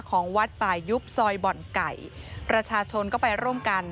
ของวัดป่ายุบซอยบ่อนไก่ประชาชนก็ไปร่วมกัน